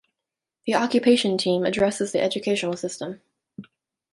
The occupation team addressed the educational system.